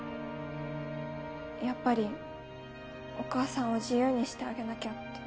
やっぱりお母さんを自由にしてあげなきゃって。